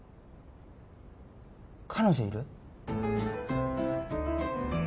彼女いる？